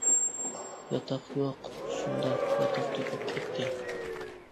-ياتاق يوق؟ -شۇنداق، ياتاق تۈگەپ كەتتى.